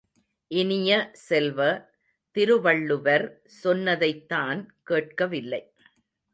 இனியசெல்வ, திருவள்ளுவர் சொன்னதைத் தான் கேட்க வில்லை.